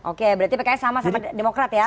oke berarti pks sama sama demokrat ya